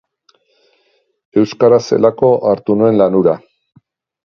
Euskaraz zelako hartu nuen lan hura.